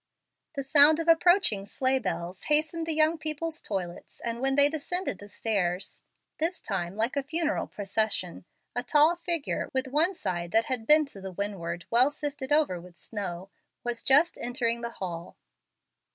The sound of approaching sleigh bells hastened the young people's toilets, and when they descended the stairs, this time like a funeral procession, a tall figure, with one side that had been to the windward well sifted over with snow, was just entering the hall.